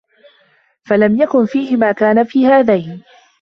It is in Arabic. فَلَمْ يَكُنْ فِيهِ مَا كَانَ فِي هَذَيْنِ